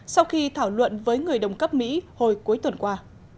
sau khi thảo luận với người đồng cấp mỹ hồi cuối tuần qua